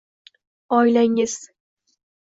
oilangiz